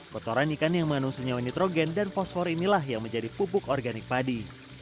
kotoran ikan yang mengandung senyawa nitrogen dan fosfor inilah yang menjadi pupuk organik padi